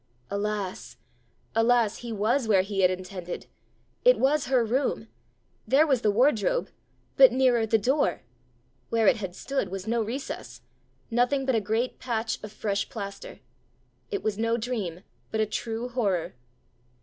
Alas! alas! he was where he had intended! It was her room! There was the wardrobe, but nearer the door! Where it had stood was no recess! nothing but a great patch of fresh plaster! It was no dream, but a true horror!